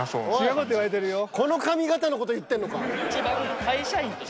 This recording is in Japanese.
この髪型の事言ってんのか。